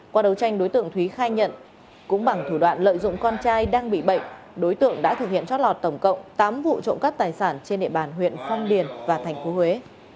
qua đấu tranh đối tượng thúy khai nhận cũng bằng thủ đoạn lợi dụng con trai đang bị bệnh đối tượng đã thực hiện trót lọt tổng cộng tám vụ trộm cắp tài sản trên địa bàn huyện phong điền và tp huế